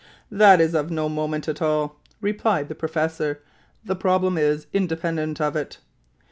"That is of no moment at all," replied the professor; "the problem is independent of it."